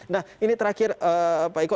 nah ini terakhir pak eko